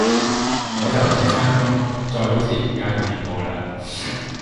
我就唔使返工，再好似而家噉練波喇